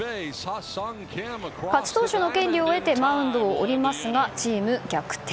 勝ち投手の権利を得てマウンドを降りますがチーム逆転